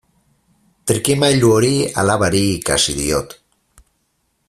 Trikimailu hori alabari ikasi diot.